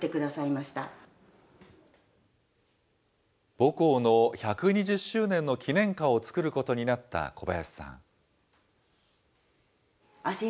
母校の１２０周年の記念歌を作ることになった小林さん。